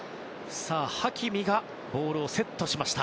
さあ、ハキミがボールをセットしました。